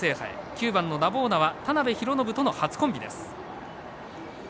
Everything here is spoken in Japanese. ９番ナヴォーナは田辺裕信との初コンビです。